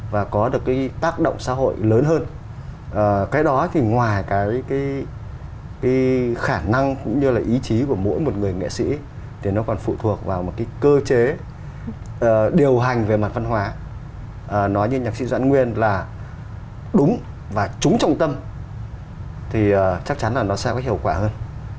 và có được cái tác động xã hội lớn hơn cái đó thì ngoài cái cái cái khả năng cũng như là ý chí của mỗi một người nghệ sĩ thì nó còn phụ thuộc vào một cái cơ chế điều hành về mặt văn hóa nói như nhạc sĩ doãn nguyên là đúng và trúng trọng tâm thì chắc chắn là nó sẽ có hiệu quả hơn